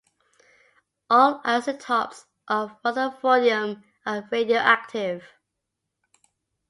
All isotopes of rutherfordium are radioactive.